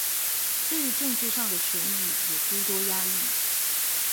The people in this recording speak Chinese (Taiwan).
對於政治上的權益也諸多壓抑